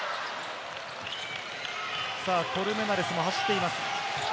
コルメナレスも走っています。